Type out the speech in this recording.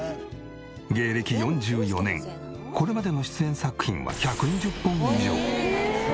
芸歴４４年これまでの出演作品は１２０本以上！